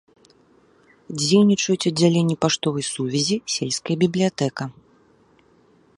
Дзейнічаюць аддзяленне паштовай сувязі, сельская бібліятэка.